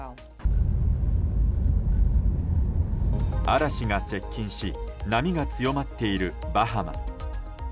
嵐が接近し波が強まっているバハマ。